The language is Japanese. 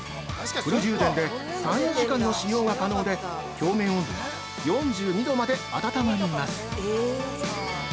フル充電で３４時間の使用が可能で表面温度は４２度まで暖まります。